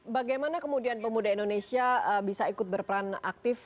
bagaimana kemudian pemuda indonesia bisa ikut berperan aktif